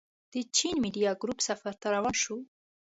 د چين ميډيا ګروپ سفر ته روان شوو.